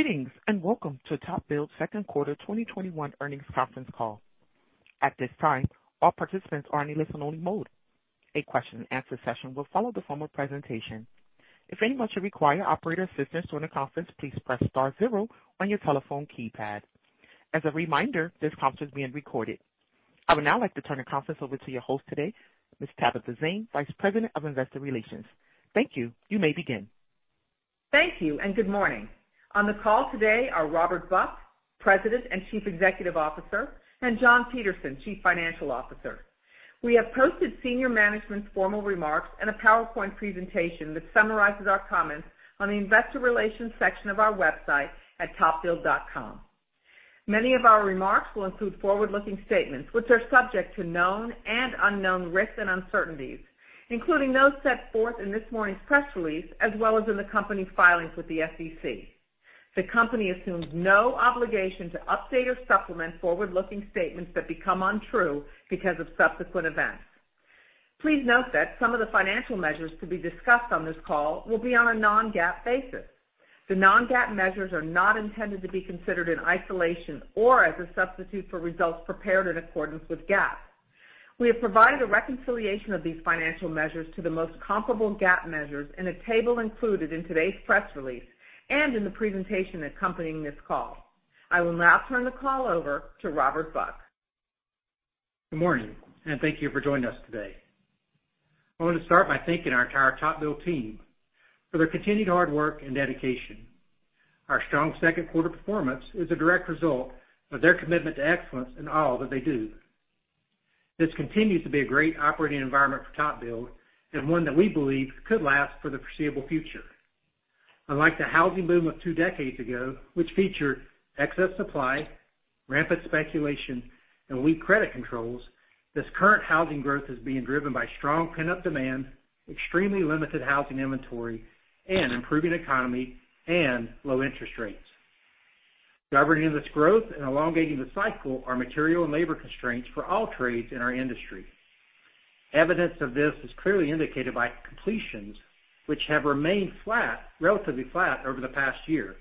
Greetings, and welcome to TopBuild's second quarter 2021 earnings conference call. At this time, all participants are in a listen-only mode. A question-and-answer session will follow the formal presentation. If anyone should require operator assistance during the conference, please press star zero on your telephone keypad. As a reminder, this conference is being recorded. I would now like to turn the conference over to your host today, Ms. Tabitha Zane, Vice President of Investor Relations. Thank you. You may begin. Thank you, and good morning. On the call today are Robert Buck, President and Chief Executive Officer, and John Peterson, Chief Financial Officer. We have posted senior management's formal remarks and a PowerPoint presentation that summarizes our comments on the investor relations section of our website at topbuild.com. Many of our remarks will include forward-looking statements, which are subject to known and unknown risks and uncertainties, including those set forth in this morning's press release, as well as in the company's filings with the SEC. The company assumes no obligation to update or supplement forward-looking statements that become untrue because of subsequent events. Please note that some of the financial measures to be discussed on this call will be on a non-GAAP basis. The non-GAAP measures are not intended to be considered in isolation or as a substitute for results prepared in accordance with GAAP. We have provided a reconciliation of these financial measures to the most comparable GAAP measures in a table included in today's press release and in the presentation accompanying this call. I will now turn the call over to Robert Buck. Good morning, and thank you for joining us today. I want to start by thanking our entire TopBuild team for their continued hard work and dedication. Our strong second quarter performance is a direct result of their commitment to excellence in all that they do. This continues to be a great operating environment for TopBuild, and one that we believe could last for the foreseeable future. Unlike the housing boom of two decades ago, which featured excess supply, rampant speculation, and weak credit controls, this current housing growth is being driven by strong pent-up demand, extremely limited housing inventory, and improving economy and low interest rates. Governing this growth and elongating the cycle are material and labor constraints for all trades in our industry. Evidence of this is clearly indicated by completions, which have remained flat, relatively flat over the past year.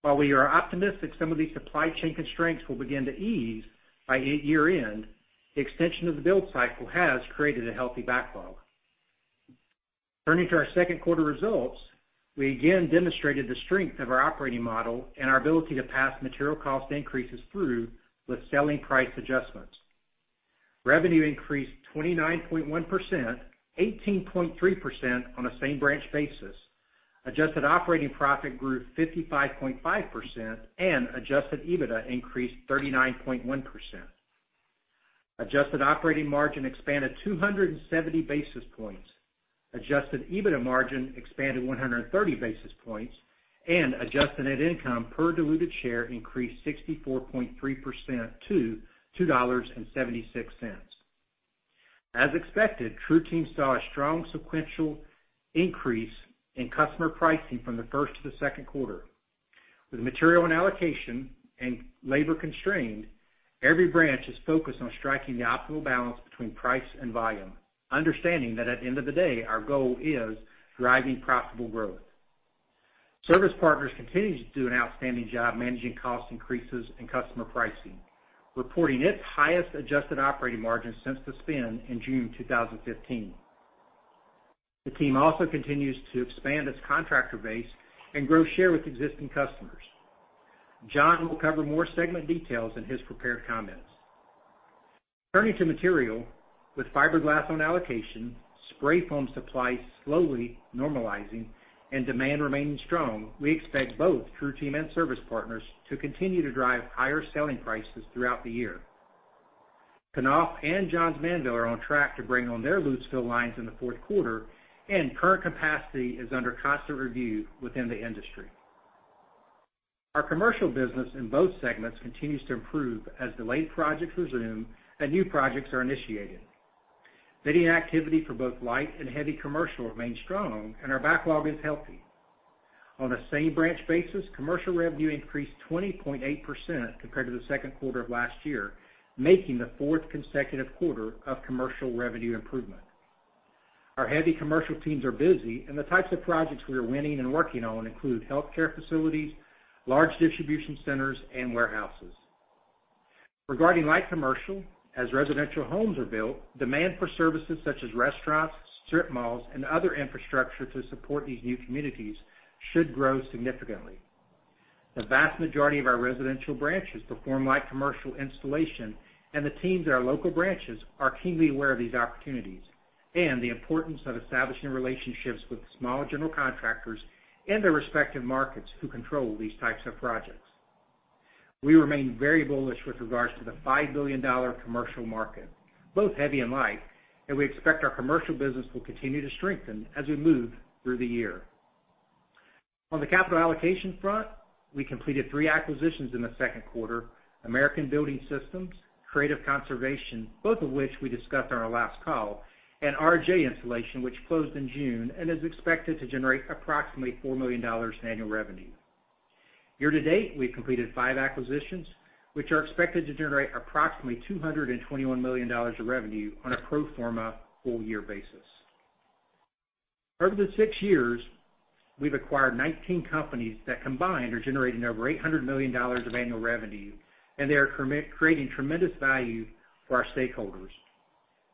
While we are optimistic some of these supply chain constraints will begin to ease by year-end, the extension of the build cycle has created a healthy backlog. Turning to our second quarter results, we again demonstrated the strength of our operating model and our ability to pass material cost increases through with selling price adjustments. Revenue increased 29.1%, 18.3% on a same branch basis. Adjusted operating profit grew 55.5%, and adjusted EBITDA increased 39.1%. Adjusted operating margin expanded 270 basis points. Adjusted EBITDA margin expanded 130 basis points, and adjusted net income per diluted share increased 64.3% to $2.76. As expected, TruTeam saw a strong sequential increase in customer pricing from the first to the second quarter. With material on allocation and labor constrained, every branch is focused on striking the optimal balance between price and volume, understanding that at the end of the day, our goal is driving profitable growth. Service Partners continues to do an outstanding job managing cost increases and customer pricing, reporting its highest adjusted operating margin since the spin in June 2015. The team also continues to expand its contractor base and grow share with existing customers. John will cover more segment details in his prepared comments. Turning to material, with fiberglass on allocation, spray foam supply slowly normalizing and demand remaining strong, we expect both TruTeam and Service Partners to continue to drive higher selling prices throughout the year. Knauf and Johns Manville are on track to bring on their loose fill lines in the fourth quarter, and current capacity is under constant review within the industry. Our commercial business in both segments continues to improve as delayed projects resume and new projects are initiated. Bidding activity for both light and heavy commercial remains strong, and our backlog is healthy. On a same branch basis, commercial revenue increased 20.8% compared to the second quarter of last year, making the fourth consecutive quarter of commercial revenue improvement. Our heavy commercial teams are busy, and the types of projects we are winning and working on include healthcare facilities, large distribution centers, and warehouses. Regarding light commercial, as residential homes are built, demand for services such as restaurants, strip malls, and other infrastructure to support these new communities should grow significantly. The vast majority of our residential branches perform light commercial installation, and the teams at our local branches are keenly aware of these opportunities and the importance of establishing relationships with smaller general contractors in their respective markets who control these types of projects. We remain very bullish with regards to the $5 billion commercial market, both heavy and light, and we expect our commercial business will continue to strengthen as we move through the year. On the capital allocation front, we completed three acquisitions in the second quarter: American Building Systems, Creative Conservation, both of which we discussed on our last call, and RJ Insulation, which closed in June and is expected to generate approximately $4 million in annual revenue. Year to date, we've completed five acquisitions, which are expected to generate approximately $221 million of revenue on a pro forma full year basis. Over the six years, we've acquired 19 companies that combined are generating over $800 million of annual revenue, and they are creating tremendous value for our stakeholders.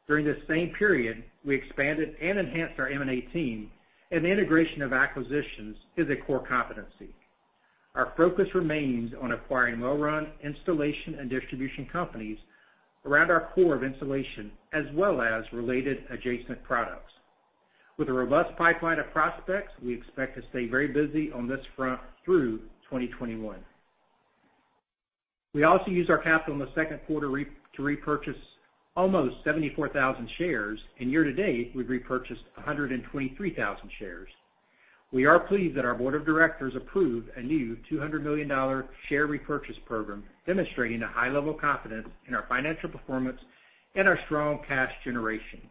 During this same period, we expanded and enhanced our M&A team, and the integration of acquisitions is a core competency. Our focus remains on acquiring well-run installation and distribution companies around our core of insulation, as well as related adjacent products. With a robust pipeline of prospects, we expect to stay very busy on this front through 2021. We also used our capital in the second quarter to repurchase almost 74,000 shares, and year-to-date, we've repurchased 123,000 shares. We are pleased that our board of directors approved a new $200 million share repurchase program, demonstrating a high level of confidence in our financial performance and our strong cash generation.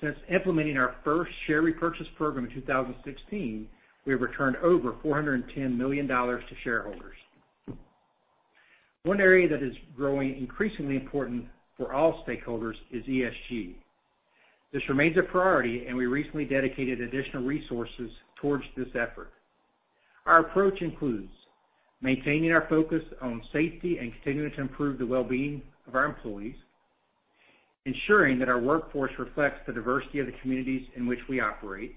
Since implementing our first share repurchase program in 2016, we have returned over $410 million to shareholders. One area that is growing increasingly important for all stakeholders is ESG. This remains a priority, and we recently dedicated additional resources towards this effort. Our approach includes maintaining our focus on safety and continuing to improve the well-being of our employees, ensuring that our workforce reflects the diversity of the communities in which we operate,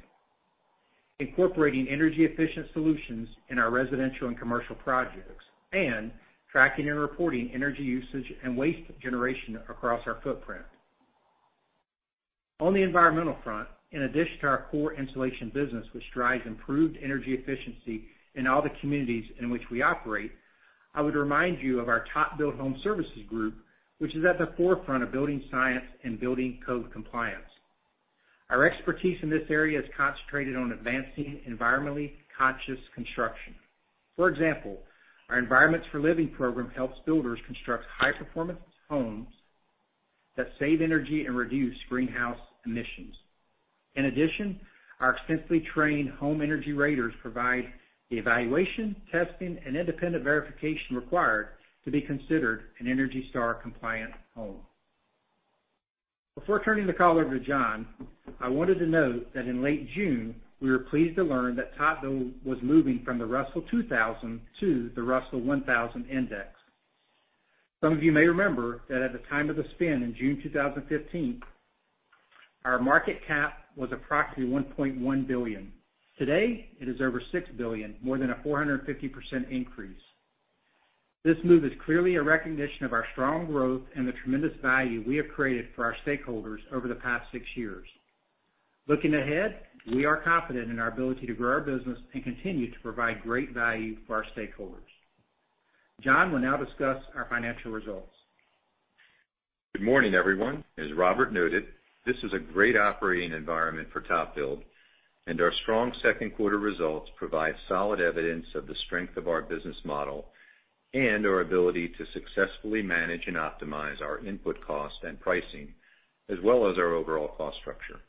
incorporating energy-efficient solutions in our residential and commercial projects, and tracking and reporting energy usage and waste generation across our footprint. On the environmental front, in addition to our core insulation business, which drives improved energy efficiency in all the communities in which we operate, I would remind you of our TopBuild Home Services Group, which is at the forefront of building science and building code compliance. Our expertise in this area is concentrated on advancing environmentally conscious construction. For example, our Environments for Living program helps builders construct high-performance homes that save energy and reduce greenhouse emissions. In addition, our extensively trained home energy raters provide the evaluation, testing, and independent verification required to be considered an ENERGY STAR compliant home. Before turning the call over to John, I wanted to note that in late June, we were pleased to learn that TopBuild was moving from the Russell 2000 to the Russell 1000 index. Some of you may remember that at the time of the spin in June 2015, our market cap was approximately $1.1 billion. Today, it is over $6 billion, more than a 450% increase. This move is clearly a recognition of our strong growth and the tremendous value we have created for our stakeholders over the past six years. Looking ahead, we are confident in our ability to grow our business and continue to provide great value for our stakeholders. John will now discuss our financial results. Good morning, everyone. As Robert noted, this is a great operating environment for TopBuild, and our strong second quarter results provide solid evidence of the strength of our business model and our ability to successfully manage and optimize our input costs and pricing, as well as our overall cost structure.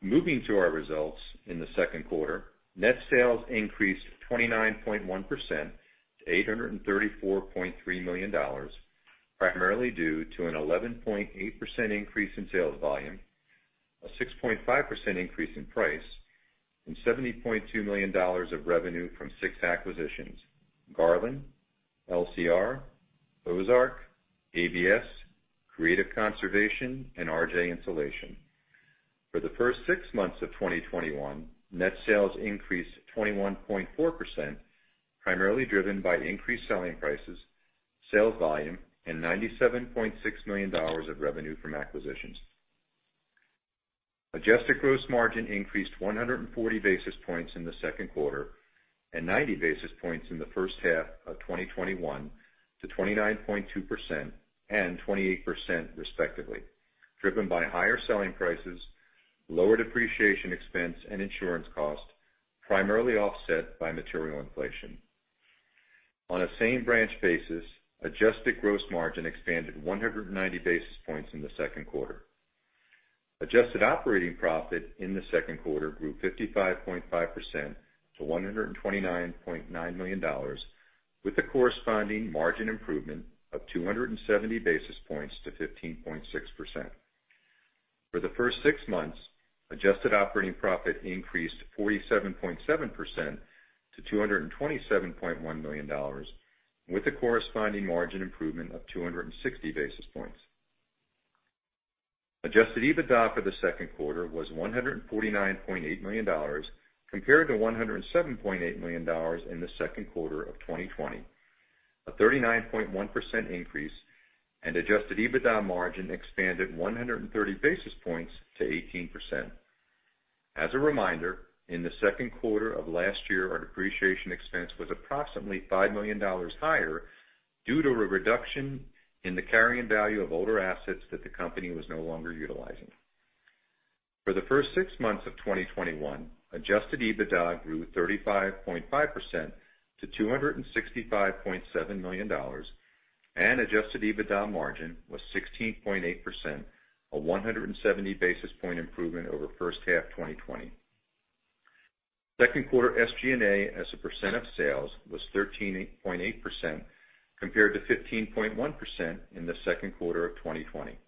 Moving to our results in the second quarter, net sales increased 29.1% to $834.3 million, primarily due to an 11.8% increase in sales volume, a 6.5% increase in price, and $70.2 million of revenue from six acquisitions: Garland, LCR, Ozark, ABS, Creative Conservation, and RJ Insulation. For the first six months of 2021, net sales increased 21.4%, primarily driven by increased selling prices, sales volume, and $97.6 million of revenue from acquisitions. Adjusted gross margin increased 140 basis points in the second quarter and 90 basis points in the first half of 2021 to 29.2% and 28% respectively, driven by higher selling prices, lower depreciation expense and insurance costs, primarily offset by material inflation. On a same-branch basis, adjusted gross margin expanded 190 basis points in the second quarter. Adjusted operating profit in the second quarter grew 55.5% to $129.9 million, with a corresponding margin improvement of 270 basis points to 15.6%. For the first six months, adjusted operating profit increased 47.7% to $227.1 million, with a corresponding margin improvement of 260 basis points. Adjusted EBITDA for the second quarter was $149.8 million, compared to $107.8 million in the second quarter of 2020, a 39.1% increase, and adjusted EBITDA margin expanded 130 basis points to 18%. As a reminder, in the second quarter of last year, our depreciation expense was approximately $5 million higher due to a reduction in the carrying value of older assets that the company was no longer utilizing. For the first six months of 2021, adjusted EBITDA grew 35.5% to $265.7 million, and adjusted EBITDA margin was 16.8%, a 170 basis point improvement over first half 2020.... Second quarter SG&A as a percent of sales was 13.8%, compared to 15.1% in the second quarter of 2020.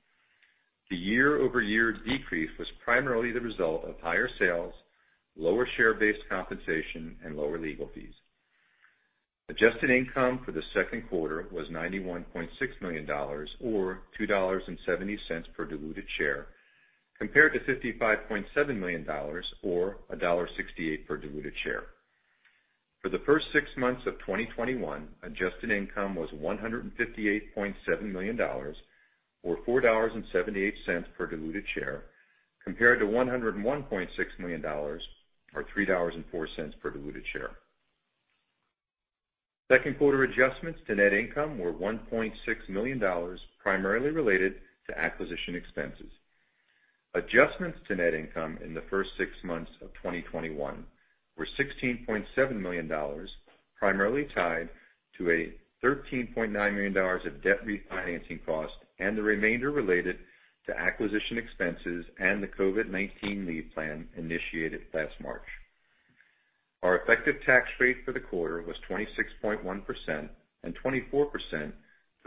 The year-over-year decrease was primarily the result of higher sales, lower share-based compensation, and lower legal fees. Adjusted income for the second quarter was $91.6 million, or $2.70 per diluted share, compared to $55.7 million or $1.68 per diluted share. For the first six months of 2021, adjusted income was $158.7 million, or $4.78 per diluted share, compared to $101.6 million or $3.04 per diluted share. Second quarter adjustments to net income were $1.6 million, primarily related to acquisition expenses. Adjustments to net income in the first six months of 2021 were $16.7 million, primarily tied to $13.9 million of debt refinancing costs and the remainder related to acquisition expenses and the COVID-19 leave plan initiated last March. Our effective tax rate for the quarter was 26.1% and 24% for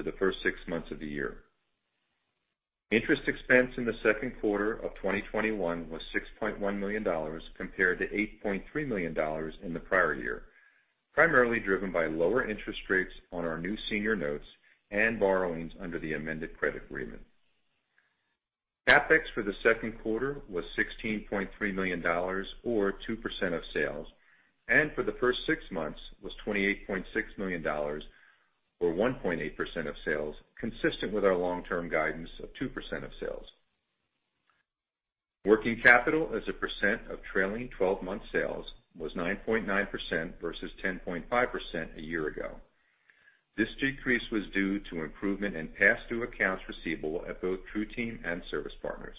the first six months of the year. Interest expense in the second quarter of 2021 was $6.1 million, compared to $8.3 million in the prior year, primarily driven by lower interest rates on our new senior notes and borrowings under the amended credit agreement. CapEx for the second quarter was $16.3 million or 2% of sales, and for the first six months, was $28.6 million or 1.8% of sales, consistent with our long-term guidance of 2% of sales. Working capital as a % of trailing twelve-month sales was 9.9% versus 10.5% a year ago. This decrease was due to improvement in past due accounts receivable at both TruTeam and Service Partners.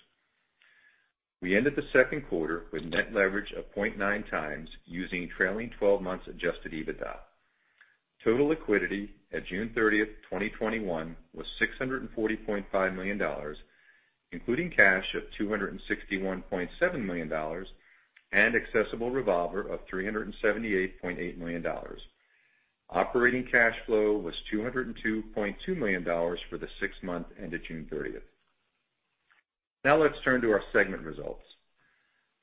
We ended the second quarter with net leverage of 0.9x using trailing twelve months adjusted EBITDA. Total liquidity at June thirtieth, 2021, was $640.5 million, including cash of $261.7 million and accessible revolver of $378.8 million. Operating cash flow was $202.2 million for the six months ended June 30. Now let's turn to our segment results.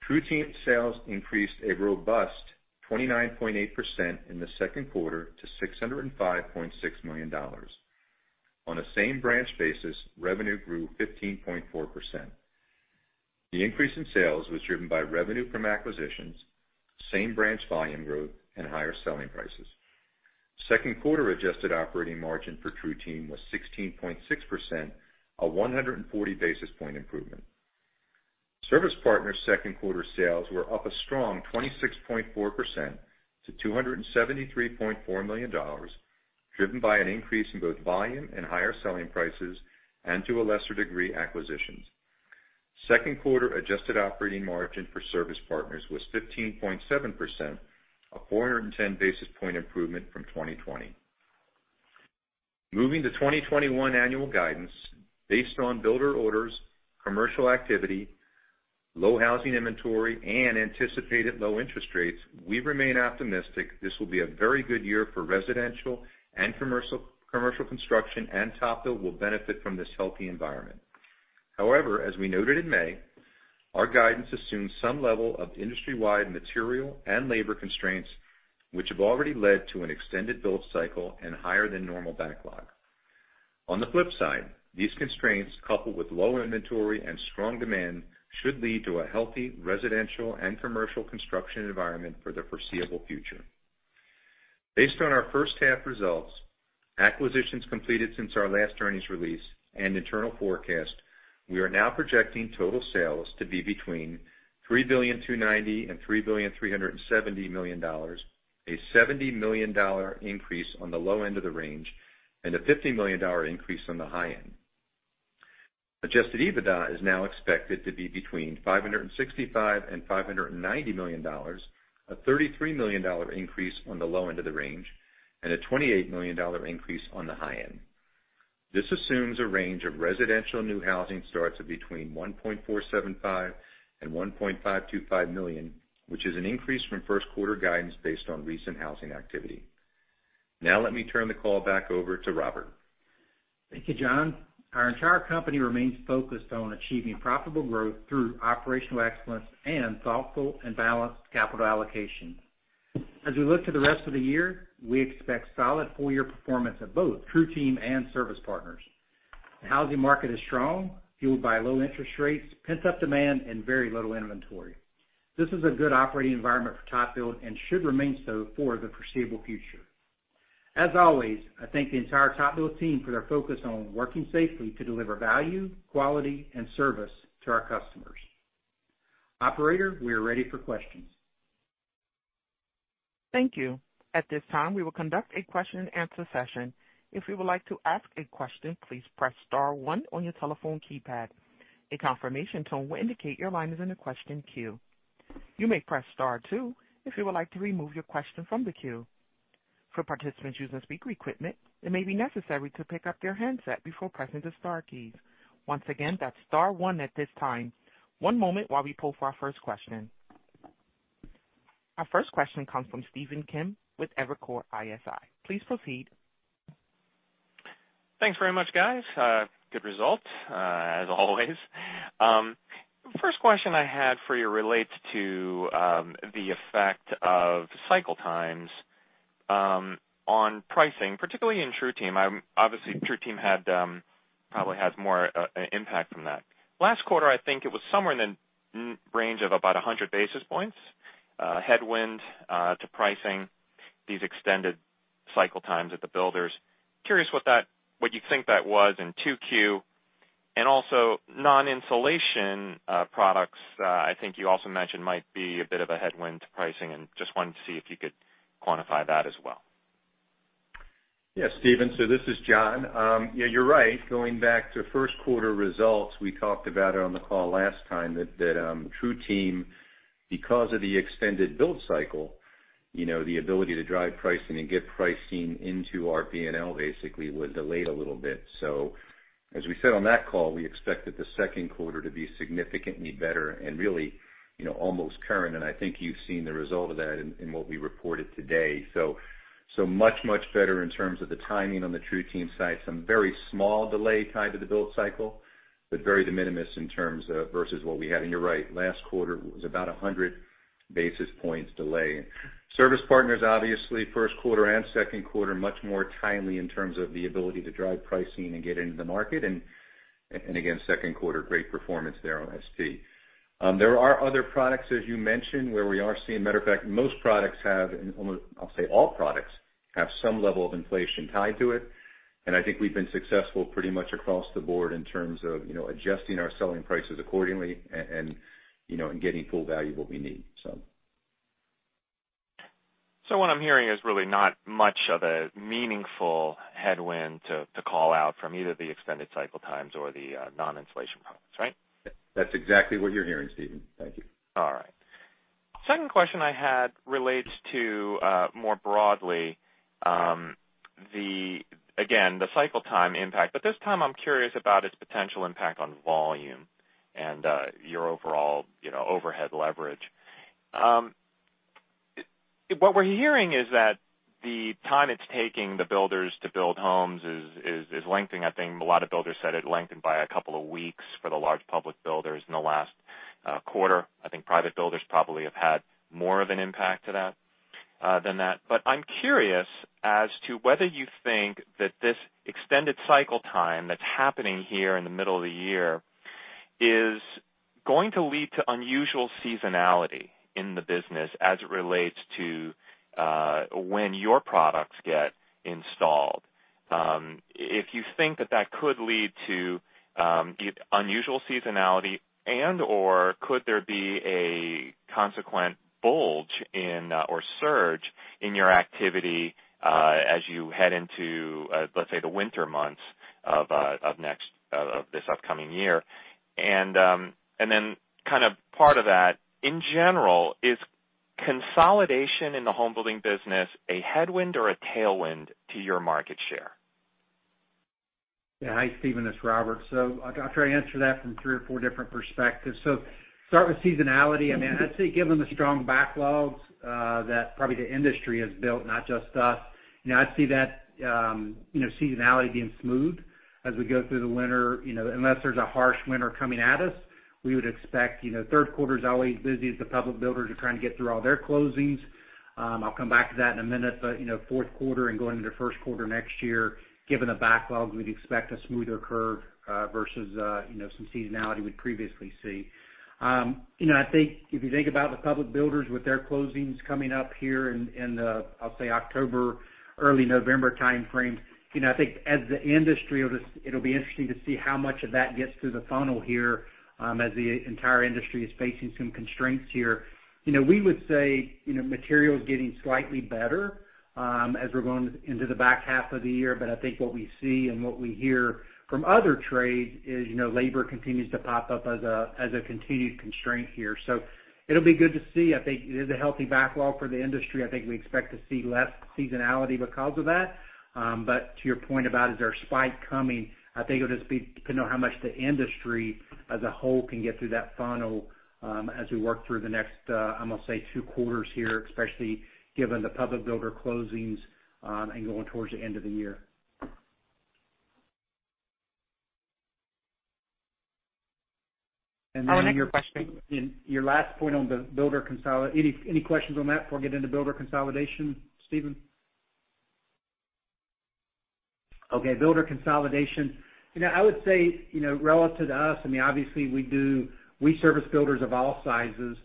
TruTeam sales increased a robust 29.8% in the second quarter to $605.6 million. On a same branch basis, revenue grew 15.4%. The increase in sales was driven by revenue from acquisitions, same branch volume growth, and higher selling prices. Second quarter adjusted operating margin for TruTeam was 16.6%, a 140 basis point improvement. Service Partners' second quarter sales were up a strong 26.4% to $273.4 million, driven by an increase in both volume and higher selling prices, and to a lesser degree, acquisitions. Second quarter adjusted operating margin for Service Partners was 15.7%, a 410 basis point improvement from 2020. Moving to 2021 annual guidance, based on builder orders, commercial activity, low housing inventory, and anticipated low interest rates, we remain optimistic this will be a very good year for residential and commercial, commercial construction, and TopBuild will benefit from this healthy environment. However, as we noted in May, our guidance assumes some level of industry-wide material and labor constraints, which have already led to an extended build cycle and higher than normal backlog. On the flip side, these constraints, coupled with low inventory and strong demand, should lead to a healthy residential and commercial construction environment for the foreseeable future. Based on our first half results, acquisitions completed since our last earnings release and internal forecast, we are now projecting total sales to be between $3.290 billion and $3.370 billion, a $70 million increase on the low end of the range and a $50 million increase on the high end. Adjusted EBITDA is now expected to be between $565 million and $590 million, a $33 million increase on the low end of the range and a $28 million increase on the high end. This assumes a range of residential new housing starts of between 1.475 million and 1.525 million, which is an increase from first quarter guidance based on recent housing activity. Now let me turn the call back over to Robert. Thank you, John. Our entire company remains focused on achieving profitable growth through operational excellence and thoughtful and balanced capital allocation. As we look to the rest of the year, we expect solid full year performance at both TruTeam and Service Partners. The housing market is strong, fueled by low interest rates, pent-up demand, and very little inventory. This is a good operating environment for TopBuild and should remain so for the foreseeable future. As always, I thank the entire TopBuild team for their focus on working safely to deliver value, quality, and service to our customers. Operator, we are ready for questions. Thank you. At this time, we will conduct a question and answer session. If you would like to ask a question, please press star one on your telephone keypad. A confirmation tone will indicate your line is in the question queue. You may press star two if you would like to remove your question from the queue. For participants using speaker equipment, it may be necessary to pick up your handset before pressing the star key. Once again, that's star one at this time. One moment while we pull for our first question. Our first question comes from Stephen Kim with Evercore ISI. Please proceed. Thanks very much, guys. Good results, as always. First question I had for you relates to the effect of cycle times on pricing, particularly in TruTeam. Obviously, TruTeam had probably has more impact from that. Last quarter, I think it was somewhere in the range of about 100 basis points headwind to pricing these extended cycle times at the builders. Curious what you think that was in 2Q, and also non-insulation products, I think you also mentioned might be a bit of a headwind to pricing, and just wanted to see if you could quantify that as well. Yes, Stephen. So this is John. Yeah, you're right. Going back to first quarter results, we talked about it on the call last time that TruTeam, because of the extended build cycle, you know, the ability to drive pricing and get pricing into our PNL basically was delayed a little bit. So as we said on that call, we expected the second quarter to be significantly better and really, you know, almost current, and I think you've seen the result of that in what we reported today. So much, much better in terms of the timing on the TruTeam side. Some very small delay tied to the build cycle, but very de minimis in terms of versus what we had. And you're right, last quarter was about 100 basis points delay. Service Partners, obviously, first quarter and second quarter, much more timely in terms of the ability to drive pricing and get into the market. And again, second quarter, great performance there on ST. There are other products, as you mentioned, where we are seeing. Matter of fact, most products have, and I'll say all products have some level of inflation tied to it. And I think we've been successful pretty much across the board in terms of, you know, adjusting our selling prices accordingly and, you know, and getting full value what we need, so. So what I'm hearing is really not much of a meaningful headwind to call out from either the extended cycle times or the non-insulation products, right? That's exactly what you're hearing, Stephen. Thank you. All right. Second question I had relates to more broadly, again, the cycle time impact. But this time I'm curious about its potential impact on volume and your overall, you know, overhead leverage. What we're hearing is that the time it's taking the builders to build homes is lengthening. I think a lot of builders said it lengthened by a couple of weeks for the large public builders in the last quarter. I think private builders probably have had more of an impact to that than that. But I'm curious as to whether you think that this extended cycle time that's happening here in the middle of the year is going to lead to unusual seasonality in the business as it relates to when your products get installed. If you think that that could lead to the unusual seasonality, and/or could there be a consequent bulge in or surge in your activity as you head into let's say the winter months of this upcoming year? And then kind of part of that, in general, is consolidation in the home building business a headwind or a tailwind to your market share? Yeah. Hi, Stephen, this is Robert. So I'll try to answer that from three or four different perspectives. So start with seasonality. I mean, I'd say given the strong backlogs, that probably the industry has built, not just us, you know, I'd see that, you know, seasonality being smooth as we go through the winter. You know, unless there's a harsh winter coming at us, we would expect, you know, third quarter is always busy as the public builders are trying to get through all their closings. I'll come back to that in a minute, but, you know, fourth quarter and going into first quarter next year, given the backlogs, we'd expect a smoother curve, versus, you know, some seasonality we'd previously see. You know, I think if you think about the public builders with their closings coming up here in the, I'll say, October, early November timeframe, you know, I think as the industry, it'll be interesting to see how much of that gets through the funnel here, as the entire industry is facing some constraints here. You know, we would say, you know, material is getting slightly better, as we're going into the back half of the year. But I think what we see and what we hear from other trades is, you know, labor continues to pop up as a continued constraint here. So it'll be good to see. I think there's a healthy backlog for the industry. I think we expect to see less seasonality because of that. But to your point about, is there a spike coming? I think it'll just be depending on how much the industry as a whole can get through that funnel, as we work through the next, I'm gonna say two quarters here, especially given the public builder closings, and going towards the end of the year. And then your question- Our next- Your last point on the builder consolidation. Any questions on that before I get into builder consolidation, Stephen? Okay, builder consolidation. You know, I would say, you know, relative to us, I mean, obviously, we service builders of all sizes,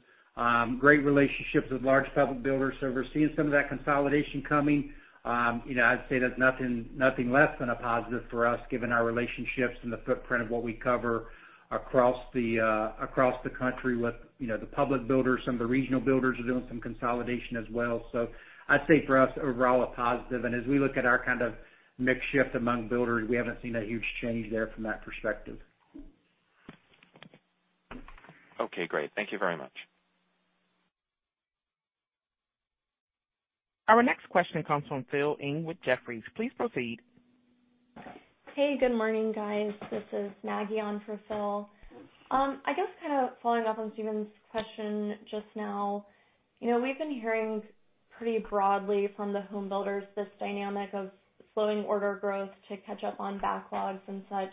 great relationships with large public builders. So we're seeing some of that consolidation coming. You know, I'd say that's nothing, nothing less than a positive for us, given our relationships and the footprint of what we cover across the, across the country with, you know, the public builders. Some of the regional builders are doing some consolidation as well. So I'd say for us, overall, a positive. And as we look at our kind of mix shift among builders, we haven't seen a huge change there from that perspective. Okay, great. Thank you very much. Our next question comes from Phil Ng with Jefferies. Please proceed. Hey, good morning, guys. This is Maggie on for Phil. I guess kind of following up on Stephen's question just now, you know, we've been hearing pretty broadly from the home builders this dynamic of slowing order growth to catch up on backlogs and such.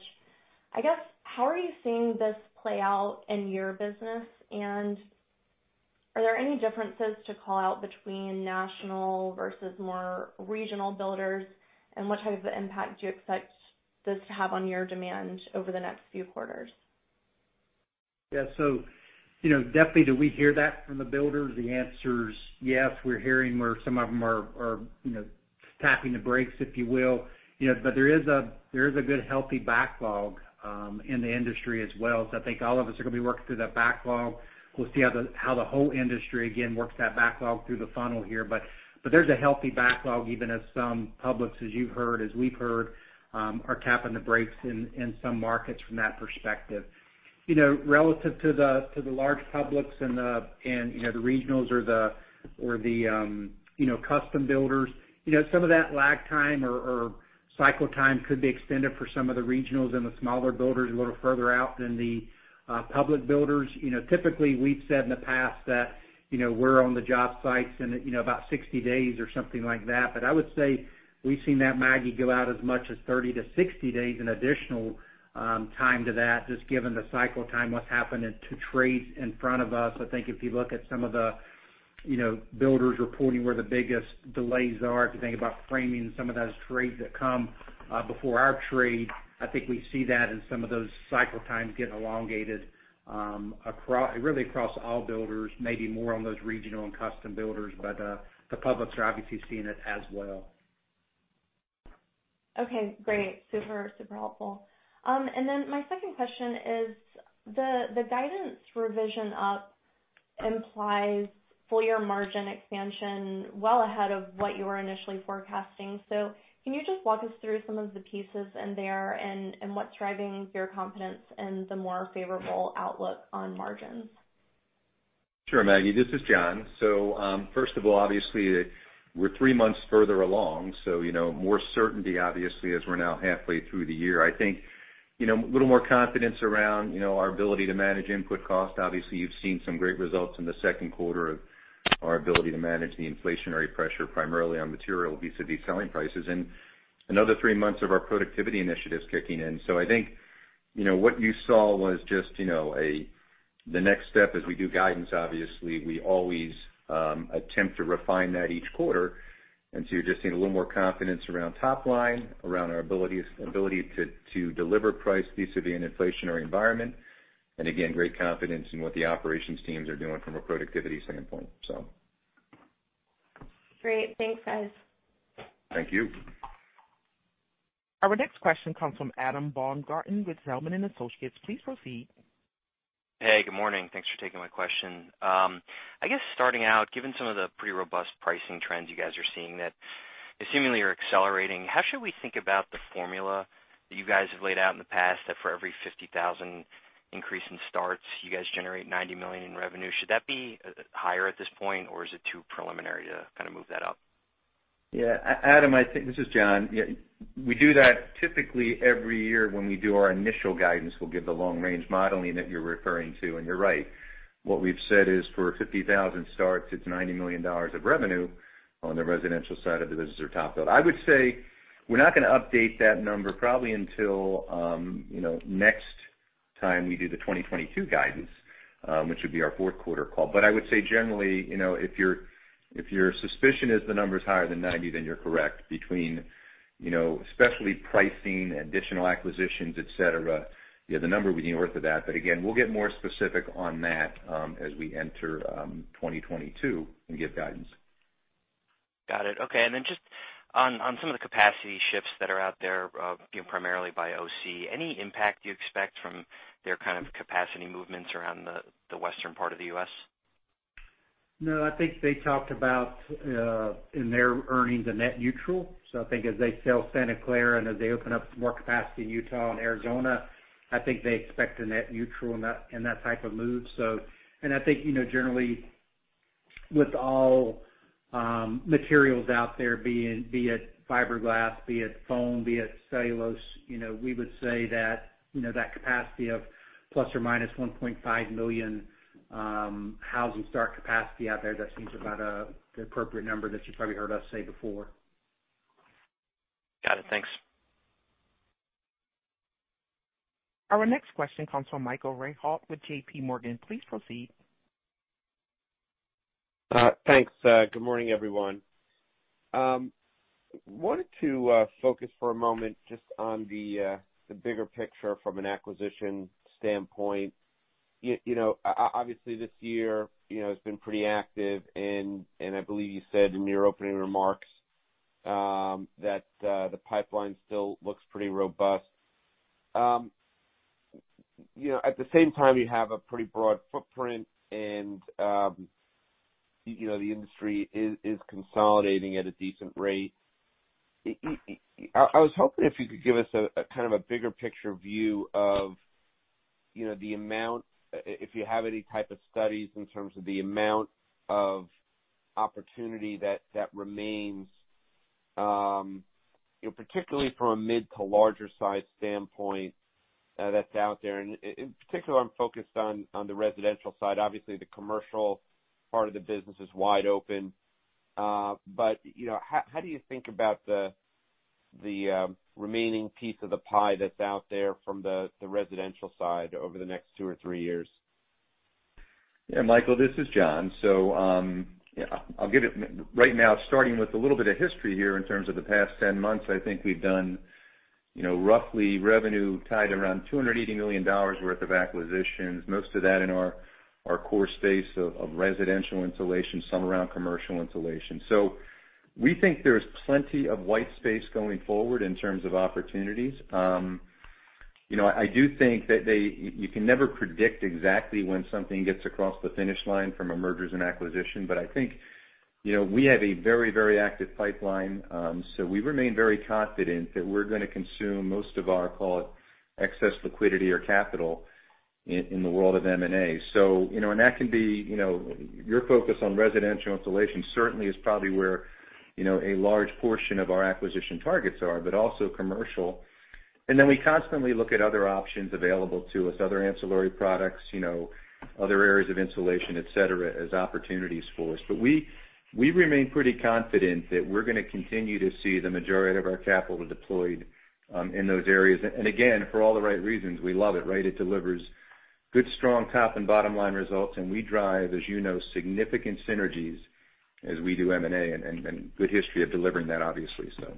I guess, how are you seeing this play out in your business? And are there any differences to call out between national versus more regional builders? And what type of impact do you expect this to have on your demand over the next few quarters? Yeah. So, you know, definitely, do we hear that from the builders? The answer is yes. We're hearing where some of them are, you know, tapping the brakes, if you will. You know, but there is a good, healthy backlog in the industry as well. So I think all of us are going to be working through that backlog. We'll see how the whole industry, again, works that backlog through the funnel here. But there's a healthy backlog, even as some publics, as we've heard, are tapping the brakes in some markets from that perspective. You know, relative to the large publics and, you know, the regionals or the custom builders, you know, some of that lag time or cycle time could be extended for some of the regionals and the smaller builders a little further out than the public builders. You know, typically, we've said in the past that, you know, we're on the job sites and, you know, about sixty days or something like that. But I would say we've seen that, Maggie, go out as much as thirty to sixty days an additional time to that, just given the cycle time, what's happened in two trades in front of us. I think if you look at some of the, you know, builders reporting where the biggest delays are, if you think about framing some of those trades that come before our trade, I think we see that in some of those cycle times getting elongated, really across all builders, maybe more on those regional and custom builders. But, the publics are obviously seeing it as well. Okay, great. Super, super helpful. And then my second question is, the guidance revision up implies full year margin expansion well ahead of what you were initially forecasting. So can you just walk us through some of the pieces in there, and what's driving your confidence and the more favorable outlook on margins? Sure, Maggie, this is John. So, first of all, obviously, we're three months further along, so, you know, more certainty, obviously, as we're now halfway through the year. I think, you know, a little more confidence around, you know, our ability to manage input cost. Obviously, you've seen some great results in the second quarter of our ability to manage the inflationary pressure, primarily on material vis-a-vis selling prices, and another three months of our productivity initiatives kicking in. So I think, you know, what you saw was just, you know, the next step as we do guidance, obviously, we always attempt to refine that each quarter. And so you're just seeing a little more confidence around top line, around our ability to deliver price vis-a-vis an inflationary environment, and again, great confidence in what the operations teams are doing from a productivity standpoint, so. Great. Thanks, guys. Thank you. Our next question comes from Adam Baumgarten with Zelman & Associates. Please proceed. Hey, good morning. Thanks for taking my question. I guess starting out, given some of the pretty robust pricing trends you guys are seeing that seemingly are accelerating, how should we think about the formula that you guys have laid out in the past, that for every 50,000 increase in starts, you guys generate $90 million in revenue? Should that be higher at this point, or is it too preliminary to kind of move that up? Yeah. Adam, this is John. Yeah, we do that typically every year when we do our initial guidance, we'll give the long range modeling that you're referring to. And you're right, what we've said is, for 50,000 starts, it's $90 million of revenue on the residential side of the business at TopBuild. I would say we're not going to update that number probably until, you know, next time we do the 2022 guidance, which would be our fourth quarter call. But I would say generally, you know, if your suspicion is the number is higher than ninety, then you're correct. Between, you know, especially pricing, additional acquisitions, et cetera, yeah, the number would be north of that. But again, we'll get more specific on that, as we enter 2022 and give guidance. Got it. Okay. And then just on some of the capacity shifts that are out there, you know, primarily by OC, any impact you expect from their kind of capacity movements around the western part of the U.S.? No, I think they talked about in their earnings a net neutral. So I think as they sell Santa Clara and as they open up more capacity in Utah and Arizona, I think they expect a net neutral in that, in that type of move. So and I think, you know, generally with all materials out there, be it, be it fiberglass, be it foam, be it cellulose, you know, we would say that, you know, that capacity of plus or minus 1.5 million housing start capacity out there, that seems about the appropriate number that you've probably heard us say before. Got it. Thanks. Our next question comes from Michael Rehaut with J.P. Morgan. Please proceed. Thanks. Good morning, everyone. Wanted to focus for a moment just on the bigger picture from an acquisition standpoint. You know, obviously, this year, you know, has been pretty active, and I believe you said in your opening remarks that the pipeline still looks pretty robust. You know, at the same time, you have a pretty broad footprint, and you know, the industry is consolidating at a decent rate. I was hoping if you could give us a kind of a bigger picture view of, you know, the amount, if you have any type of studies in terms of the amount of opportunity that remains, you know, particularly from a mid to larger size standpoint, that's out there. And in particular, I'm focused on the residential side. Obviously, the commercial part of the business is wide open, but you know, how do you think about the remaining piece of the pie that's out there from the residential side over the next two or three years? Yeah, Michael, this is John. So, yeah, I'll give it right now, starting with a little bit of history here in terms of the past 10 months. I think we've done, you know, roughly revenue tied around $280 million worth of acquisitions, most of that in our core space of residential insulation, some around commercial insulation. So we think there's plenty of white space going forward in terms of opportunities. You know, I do think that you can never predict exactly when something gets across the finish line from a mergers and acquisition, but I think, you know, we have a very, very active pipeline. So we remain very confident that we're gonna consume most of our, call it, excess liquidity or capital in the world of M&A. So, you know, and that can be, you know, your focus on residential insulation certainly is probably where, you know, a large portion of our acquisition targets are, but also commercial. And then we constantly look at other options available to us, other ancillary products, you know, other areas of insulation, et cetera, as opportunities for us. But we remain pretty confident that we're gonna continue to see the majority of our capital deployed in those areas. And again, for all the right reasons, we love it, right? It delivers good, strong top and bottom line results, and we drive, as you know, significant synergies as we do M&A and good history of delivering that, obviously, so.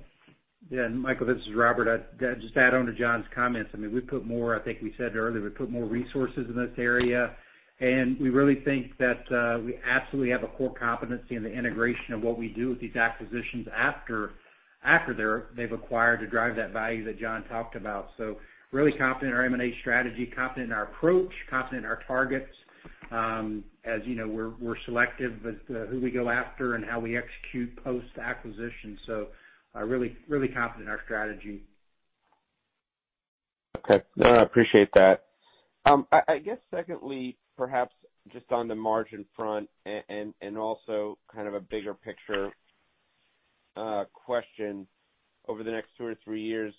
Yeah, and Michael, this is Robert. I'd just add on to John's comments. I mean, we put more, I think we said earlier, we put more resources in this area, and we really think that we absolutely have a core competency in the integration of what we do with these acquisitions after they've acquired to drive that value that John talked about. So really confident in our M&A strategy, confident in our approach, confident in our targets. As you know, we're selective with who we go after and how we execute post-acquisition. So I really, really confident in our strategy. Okay. No, I appreciate that. I guess secondly, perhaps just on the margin front and also kind of a bigger picture question over the next two or three years.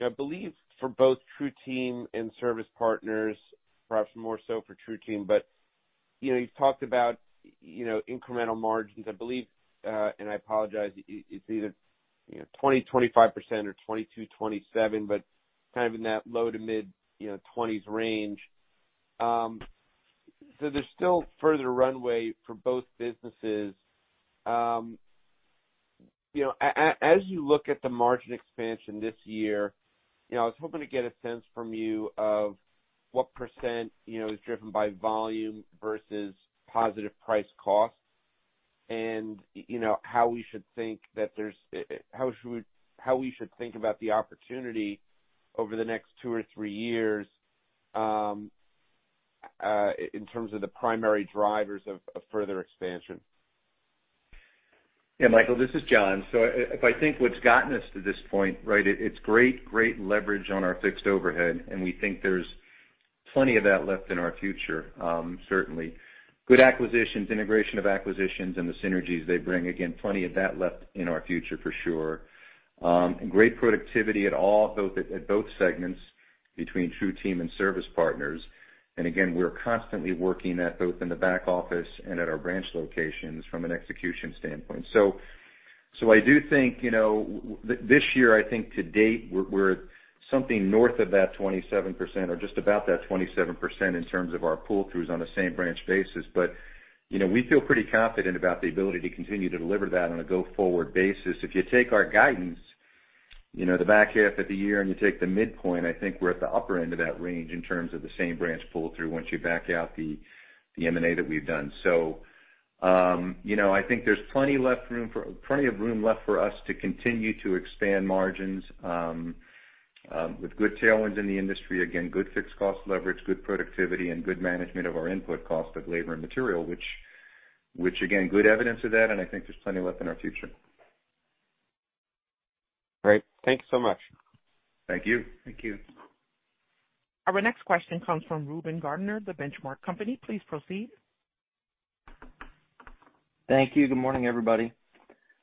I believe for both TruTeam and Service Partners, perhaps more so for TruTeam, but you know, you've talked about you know, incremental margins, I believe, and I apologize, it's either you know, 20%-25% or 22%-27%, but kind of in that low- to mid-20s range. So there's still further runway for both businesses. You know, as you look at the margin expansion this year, you know, I was hoping to get a sense from you of what % is driven by volume versus positive price cost, and, you know, how we should think about the opportunity over the next two or three years, in terms of the primary drivers of further expansion. Yeah, Michael, this is John. So if I think what's gotten us to this point, right, it's great, great leverage on our fixed overhead, and we think there's plenty of that left in our future, certainly. Good acquisitions, integration of acquisitions and the synergies they bring, again, plenty of that left in our future for sure. And great productivity at all, both at both segments between TruTeam and Service Partners. And again, we're constantly working at both in the back office and at our branch locations from an execution standpoint. So I do think, you know, this year, I think to date, we're something north of that 27% or just about that 27% in terms of our pull-throughs on the same branch basis. But, you know, we feel pretty confident about the ability to continue to deliver that on a go-forward basis. If you take our guidance, you know, the back half of the year, and you take the midpoint, I think we're at the upper end of that range in terms of the same branch pull-through once you back out the M&A that we've done. So, you know, I think there's plenty of room left for us to continue to expand margins, with good tailwinds in the industry. Again, good fixed cost leverage, good productivity, and good management of our input cost of labor and material, which again good evidence of that, and I think there's plenty left in our future. Great. Thank you so much. Thank you. Thank you. Our next question comes from Reuben Garner, The Benchmark Company. Please proceed. Thank you. Good morning, everybody.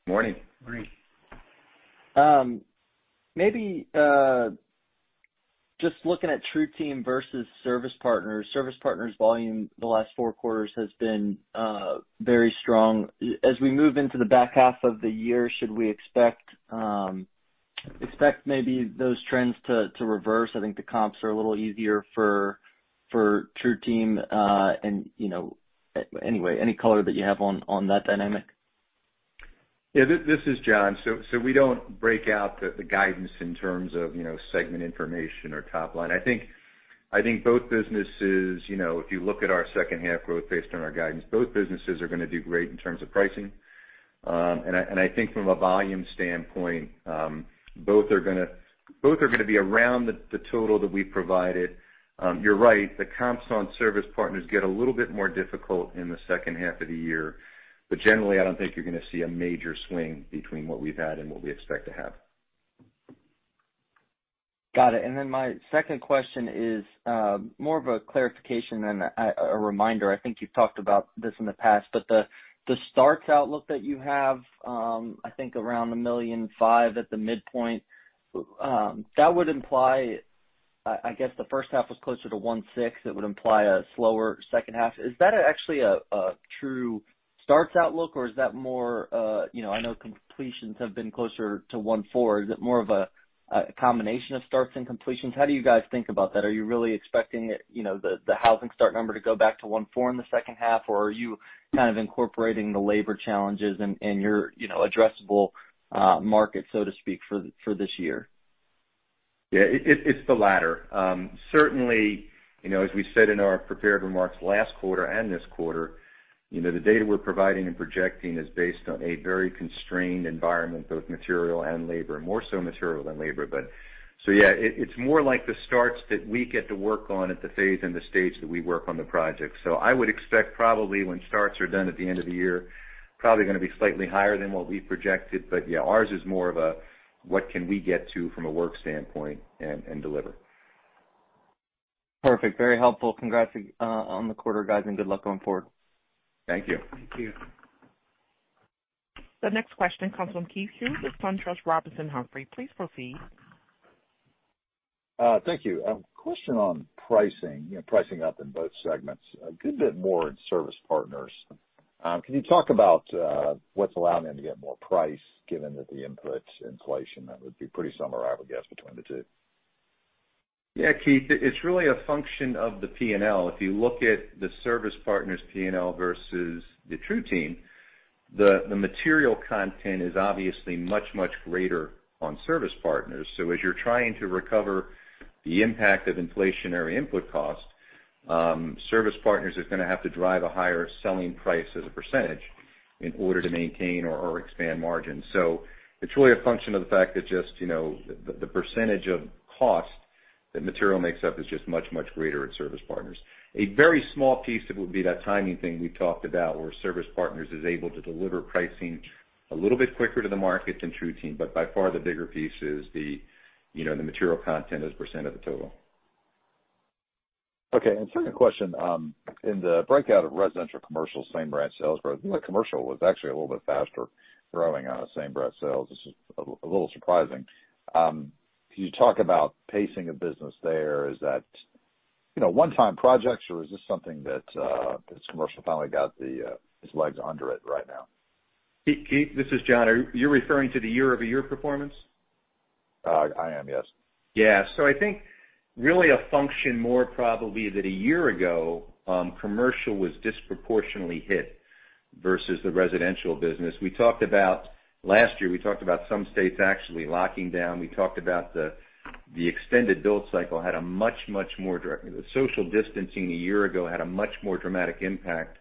Morning. Morning. Maybe just looking at TruTeam versus Service Partners. Service Partners volume the last four quarters has been very strong. As we move into the back half of the year, should we expect maybe those trends to reverse? I think the comps are a little easier for TruTeam. And, you know, anyway, any color that you have on that dynamic? Yeah, this is John. So we don't break out the guidance in terms of, you know, segment information or top line. I think both businesses, you know, if you look at our second half growth based on our guidance, both businesses are going to do great in terms of pricing. And I think from a volume standpoint, both are gonna be around the total that we provided. You're right, the comps on Service Partners get a little bit more difficult in the second half of the year, but generally, I don't think you're gonna see a major swing between what we've had and what we expect to have. Got it. And then my second question is more of a clarification than a reminder. I think you've talked about this in the past, but the starts outlook that you have, I think around 1.5 million at the midpoint, that would imply, I guess, the first half was closer to 1.6 million, it would imply a slower second half. Is that actually a true starts outlook, or is that more, you know, I know completions have been closer to 1.4 million. Is it more of a combination of starts and completions? How do you guys think about that? Are you really expecting, you know, the housing start number to go back to 1.4 million in the second half? Or are you kind of incorporating the labor challenges in your, you know, addressable market, so to speak, for this year? Yeah, it, it's the latter. Certainly, you know, as we said in our prepared remarks last quarter and this quarter, you know, the data we're providing and projecting is based on a very constrained environment, both material and labor, more so material than labor. But so, yeah, it's more like the starts that we get to work on at the phase and the stage that we work on the project. So I would expect probably when starts are done at the end of the year, probably gonna be slightly higher than what we've projected. But yeah, ours is more of a what can we get to from a work standpoint and deliver. Perfect. Very helpful. Congrats on the quarter, guys, and good luck going forward. Thank you. Thank you. The next question comes from Keith Hughes with SunTrust Robinson Humphrey. Please proceed. Thank you. A question on pricing, you know, pricing up in both segments, a good bit more in Service Partners. Can you talk about what's allowing them to get more price, given that the input inflation, that would be pretty similar, I would guess, between the two? Yeah, Keith, it's really a function of the P&L. If you look at the Service Partners P&L versus the TruTeam, the material content is obviously much, much greater on Service Partners. So as you're trying to recover the impact of inflationary input costs, Service Partners is gonna have to drive a higher selling price as a percentage in order to maintain or expand margins. So it's really a function of the fact that just, you know, the percentage of cost that material makes up is just much, much greater at Service Partners. A very small piece of it would be that timing thing we talked about, where Service Partners is able to deliver pricing a little bit quicker to the market than TruTeam. But by far, the bigger piece is you know, the material content as a percent of the total. Okay, and second question, in the breakout of residential, commercial, same branch sales growth, the commercial was actually a little bit faster growing on the same branch sales. This is a little surprising. Can you talk about pacing of business there? Is that, you know, one-time projects, or is this something that that's commercial finally got its legs under it right now? Keith, Keith, this is John. Are you referring to the year-over-year performance? I am, yes. Yeah. So I think really a function more probably that a year ago, commercial was disproportionately hit versus the residential business. We talked about- last year, we talked about some states actually locking down. We talked about the extended build cycle had a much, much more dramatic. The social distancing a year ago had a much more dramatic impact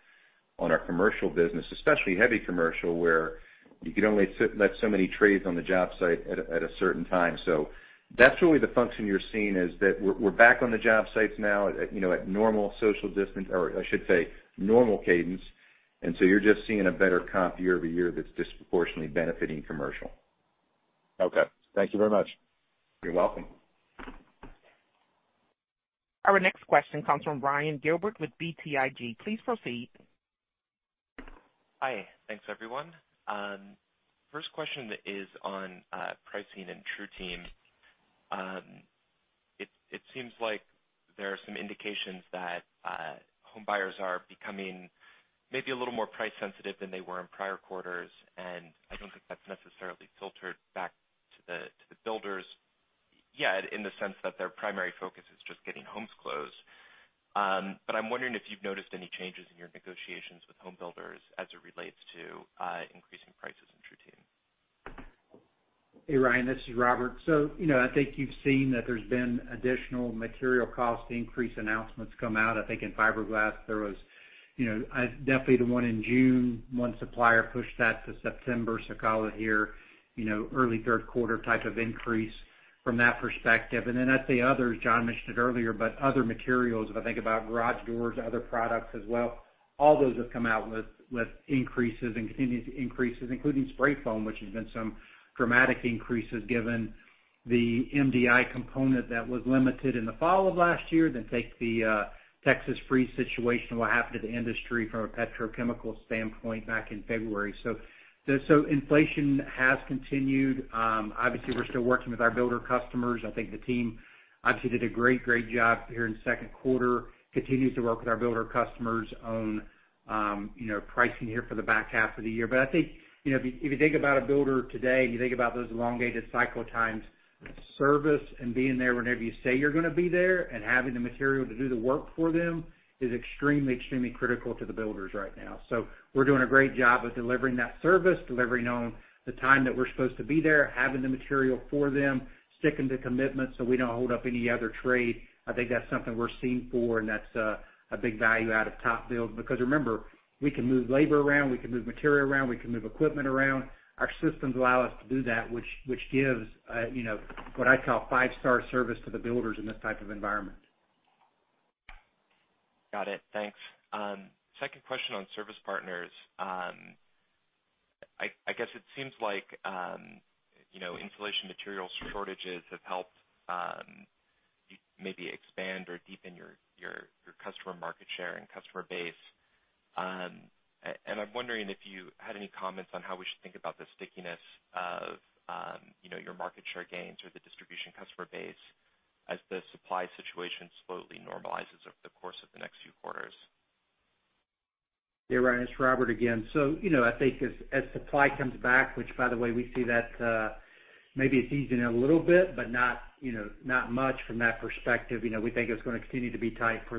on our commercial business, especially heavy commercial, where you could only let so many trades on the job site at a certain time. So that's really the function you're seeing, is that we're back on the job sites now, at, you know, at normal social distance, or I should say, normal cadence. And so you're just seeing a better comp year over year that's disproportionately benefiting commercial. Okay. Thank you very much. You're welcome. Our next question comes from Ryan Gilbert with BTIG. Please proceed. Hi. Thanks, everyone. First question is on pricing and TruTeam. It seems like there are some indications that homebuyers are becoming maybe a little more price sensitive than they were in prior quarters, and I don't think that's necessarily filtered back to the builders yet, in the sense that their primary focus is just getting homes closed, but I'm wondering if you've noticed any changes in your negotiations with home builders as it relates to increasing prices in TruTeam. Hey, Ryan, this is Robert. So, you know, I think you've seen that there's been additional material cost increase announcements come out. I think in fiberglass, there was, you know, definitely the one in June. One supplier pushed that to September, so call it here, you know, early third quarter type of increase from that perspective. And then I'd say others. John mentioned it earlier, but other materials, if I think about garage doors, other products as well, all those have come out with increases and continued increases, including spray foam, which has been some dramatic increases given the MDI component that was limited in the fall of last year. Then take the Texas freeze situation, what happened to the industry from a petrochemical standpoint back in February. So inflation has continued. Obviously, we're still working with our builder customers. I think the team obviously did a great, great job here in the second quarter and continues to work with our builder customers on, you know, pricing here for the back half of the year. But I think, you know, if you, if you think about a builder today, and you think about those elongated cycle times, service and being there whenever you say you're gonna be there and having the material to do the work for them, is extremely, extremely critical to the builders right now. So we're doing a great job of delivering that service, delivering on the time that we're supposed to be there, having the material for them, sticking to commitments, so we don't hold up any other trade. I think that's something we're known for, and that's a big value out of TopBuild. Because remember, we can move labor around, we can move material around, we can move equipment around. Our systems allow us to do that, which gives, you know, what I call five-star service to the builders in this type of environment. Got it. Thanks. Second question on Service Partners. I guess it seems like, you know, insulation material shortages have helped, maybe expand or deepen your customer market share and customer base. And I'm wondering if you had any comments on how we should think about the stickiness of, you know, your market share gains or the distribution customer base as the supply situation slowly normalizes over the course of the next few quarters? Yeah, Ryan, it's Robert again. So, you know, I think as supply comes back, which by the way, we see that, maybe it's easing a little bit, but not, you know, not much from that perspective. You know, we think it's gonna continue to be tight for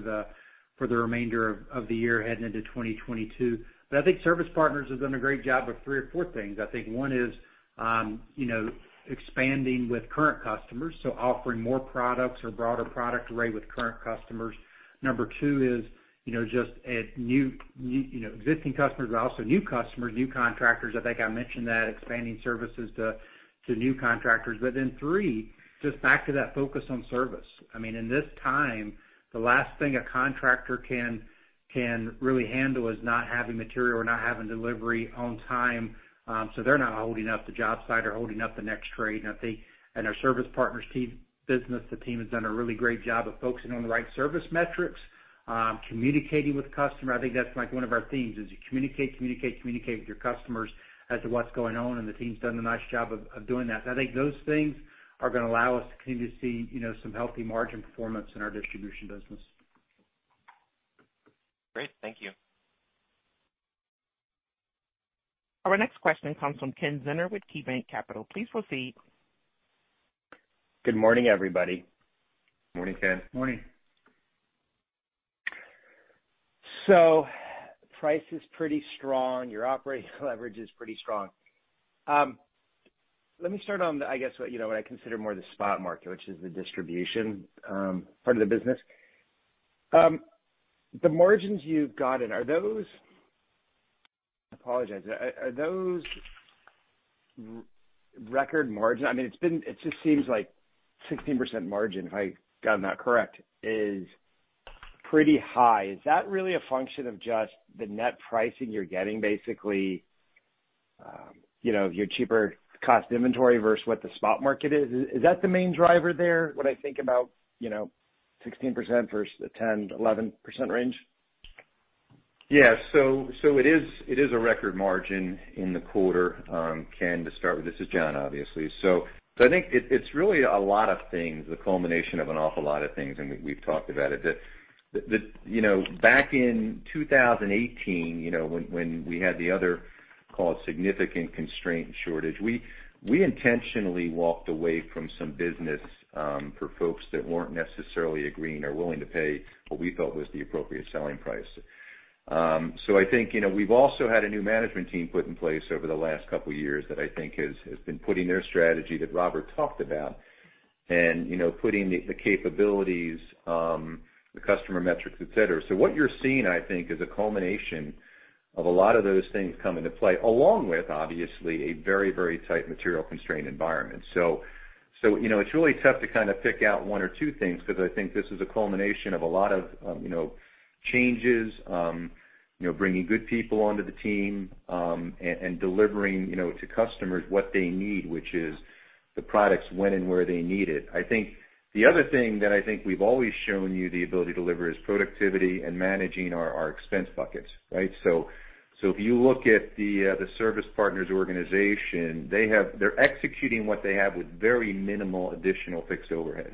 the remainder of the year, heading into 2022. But I think Service Partners have done a great job of three or four things. I think one is, you know, expanding with current customers, so offering more products or broader product array with current customers. Number two is, you know, just add new existing customers, but also new customers, new contractors. I think I mentioned that, expanding services to new contractors. But then three, just back to that focus on service. I mean, in this time, the last thing a contractor can really handle is not having material or not having delivery on time. So they're not holding up the job site or holding up the next trade. And I think, and our Service Partners team business, the team has done a really great job of focusing on the right service metrics, communicating with the customer. I think that's like one of our themes, is you communicate, communicate, communicate with your customers as to what's going on, and the team's done a nice job of doing that. I think those things are gonna allow us to continue to see, you know, some healthy margin performance in our distribution business. Great. Thank you. Our next question comes from Ken Zener with KeyBanc Capital Markets. Please proceed. Good morning, everybody. Morning, Ken. Morning. So price is pretty strong. Your operating leverage is pretty strong. Let me start on the, I guess, what, you know, what I consider more the spot market, which is the distribution, part of the business. The margins you've gotten, are those... I apologize. Are those record margin? I mean, it's been-- it just seems like 16% margin, if I got that correct, is pretty high. Is that really a function of just the net pricing you're getting, basically, you know, your cheaper cost inventory versus what the spot market is? Is that the main driver there, when I think about, you know, 16% versus the 10-11% range? Yeah. So it is a record margin in the quarter. Ken, to start with, this is John, obviously. So I think it's really a lot of things, the culmination of an awful lot of things, and we've talked about it. You know, back in two thousand and eighteen, you know, when we had the other, call it, significant constraint and shortage, we intentionally walked away from some business for folks that weren't necessarily agreeing or willing to pay what we felt was the appropriate selling price. So I think, you know, we've also had a new management team put in place over the last couple of years that I think has been putting their strategy that Robert talked about and, you know, putting the capabilities, the customer metrics, et cetera. So what you're seeing, I think, is a culmination of a lot of those things come into play, along with, obviously, a very, very tight material constrained environment. So, you know, it's really tough to kind of pick out one or two things, because I think this is a culmination of a lot of, you know, changes, you know, bringing good people onto the team, and delivering, you know, to customers what they need, which is the products, when and where they need it. I think the other thing that I think we've always shown you the ability to deliver is productivity and managing our expense buckets, right? So if you look at the Service Partners organization, they have, they're executing what they have with very minimal additional fixed overhead.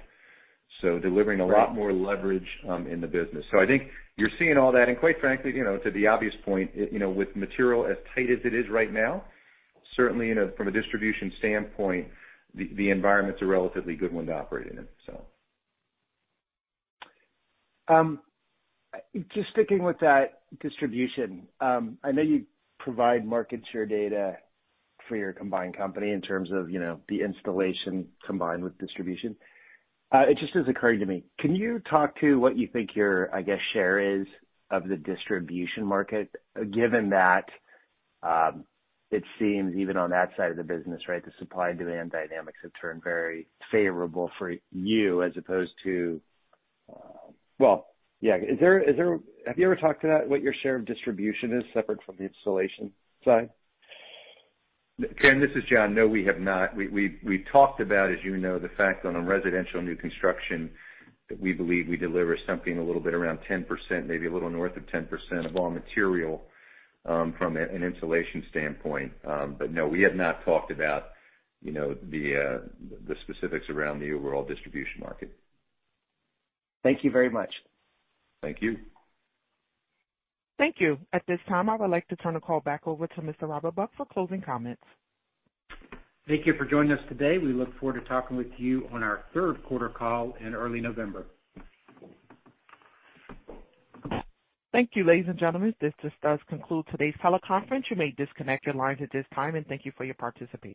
So delivering a lot more leverage in the business. So I think you're seeing all that. And quite frankly, you know, to the obvious point, you know, with material as tight as it is right now, certainly from a distribution standpoint, the environment's a relatively good one to operate in, so. Just sticking with that distribution, I know you provide market share data for your combined company in terms of, you know, the installation combined with distribution. It just has occurred to me, can you talk to what you think your, I guess, share is of the distribution market, given that it seems even on that side of the business, right, the supply and demand dynamics have turned very favorable for you as opposed to, Well, yeah. Have you ever talked about what your share of distribution is, separate from the installation side? Ken, this is John. No, we have not. We talked about, as you know, the fact on a residential new construction, that we believe we deliver something a little bit around 10%, maybe a little north of 10% of all material from an insulation standpoint. But no, we have not talked about, you know, the specifics around the overall distribution market. Thank you very much. Thank you. Thank you. At this time, I would like to turn the call back over to Mr. Robert Buck for closing comments. Thank you for joining us today. We look forward to talking with you on our third quarter call in early November. Thank you, ladies and gentlemen. This just does conclude today's teleconference. You may disconnect your lines at this time, and thank you for your participation.